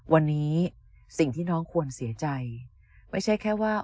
วันนี้สิ่งที่น้องควรเสียใจไม่ใช่แค่ว่า